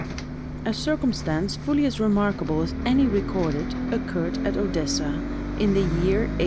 A circumstance fully as remarkable as any recorded, occurred at Odessa, in the year 1842.